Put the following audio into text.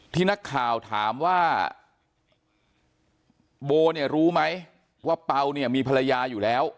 ที่นักข่าวถามว่าโบรู้ไหมว่าเป้ามีภรรยาอยู่แล้ว